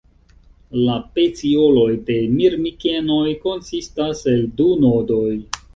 La pecioloj de Mirmikenoj konsistas el du nodoj.